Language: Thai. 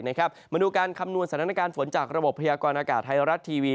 มาดูการคำนวณสถานการณ์ฝนจากระบบพยากรณากาศไทยรัฐทีวี